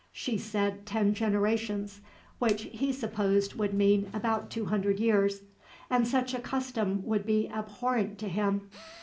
She said ten generations, which he supposed would mean about two hundred years "and such a custom would be abhorrent to him."